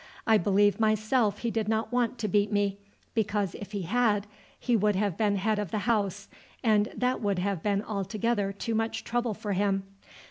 I believe myself he did not want to beat me, because if he had he would have been head of the house, and that would have been altogether too much trouble for him.